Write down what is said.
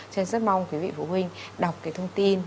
cho nên rất mong quý vị phụ huynh đọc cái thông tin